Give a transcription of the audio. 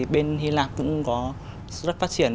bên hy lạp cũng có rất phát triển